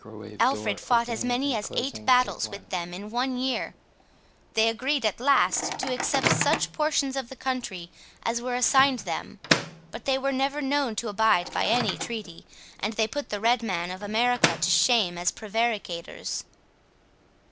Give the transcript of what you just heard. Alfred fought as many as eight battles with them in one year. They agreed at last to accept such portions of the country as were assigned them, but they were never known to abide by any treaty, and they put the red man of America to shame as prevaricators.